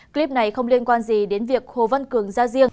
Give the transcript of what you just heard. clip này không liên quan gì đến việc hồ văn cường ra riêng